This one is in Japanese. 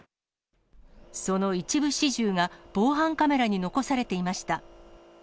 その一部始終が、防犯カメラに残されていました。